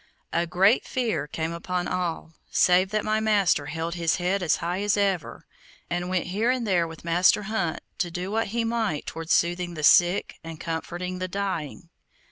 A great fear came upon all, save that my master held his head as high as ever, and went here and there with Master Hunt to do what he might toward soothing the sick and comforting the dying.